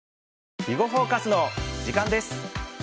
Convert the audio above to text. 「囲碁フォーカス」の時間です。